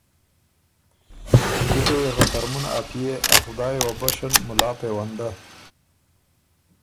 جِکه يې خه ترمُن ا پئے ا خدایه وه بشن مُلا پېونده